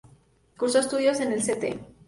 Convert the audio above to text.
Cursó estudios en el St.